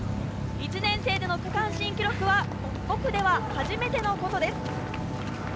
１年生での区間新記録は５区では初めてのことです。